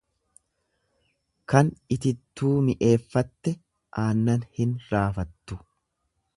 Kan itittuu mi'eeffatte aannan hin raafattu.